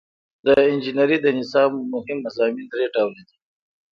د انجنیری د نصاب مهم مضامین درې ډوله دي.